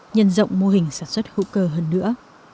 nhân rộng mô hình sản xuất hữu cơ hơn nữa